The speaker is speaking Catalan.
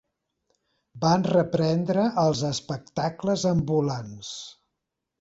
Van reprendre els espectacles ambulants.